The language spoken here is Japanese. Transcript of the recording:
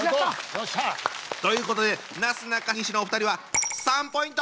よっしゃ！ということでなすなかにしのお二人は３ポイント！